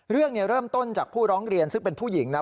เรื่องเริ่มต้นจากผู้ร้องเรียนซึ่งเป็นผู้หญิงนะ